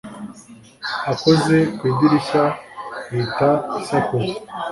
akoze ku idirishya ihita isakuza